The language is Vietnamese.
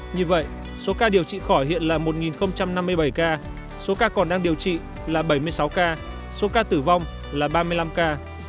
như vậy số ca điều trị khỏi hiện là một năm mươi bảy ca số ca còn đang điều trị là bảy mươi sáu ca số ca tử vong là ba mươi năm ca